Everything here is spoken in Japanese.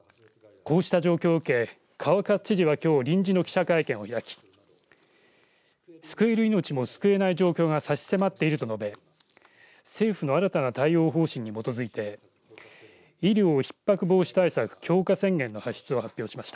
こうした状況を受け川勝知事はきょう臨時の記者会見を開き救える命も救えない状況が差し迫っていると述べ政府の新たな対応方針に基づいて医療ひっ迫防止対策強化宣言の発出を発表しました。